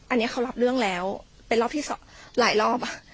อันนี้เขารับเรื่องแล้วเป็นรอบที่สองหลายรอบ